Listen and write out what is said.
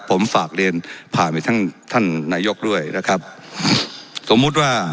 ผมฝากเรียนผ่านไปทั้งท่านท่านนายกด้วยนะครับสมมุติว่า